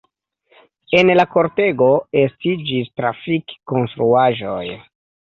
En la kortego estiĝis trafik-konstruaĵoj.